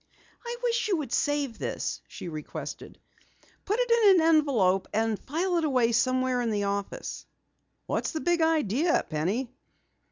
"I wish you would save this," she requested. "Put it in an envelope and file it away somewhere in the office." "What's the big idea, Penny?"